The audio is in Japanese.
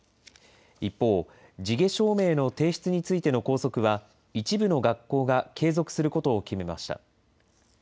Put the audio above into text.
一方、地毛証明の提出についての校則は、一部の学校が継続することを決めました。